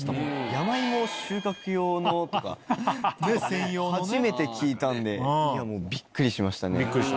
山芋収穫用のとか初めて聞いたんでびっくりしましたね。